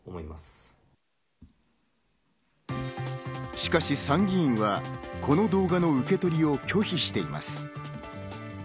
しかし参議院は、この動画の受け取りを拒否しています。